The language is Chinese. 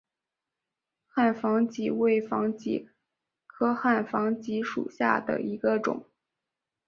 汉防己为防己科汉防己属下的一个种。